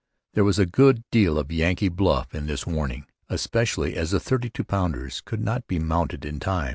There was a good deal of Yankee bluff in this warning, especially as the 32 pounders could not be mounted in time.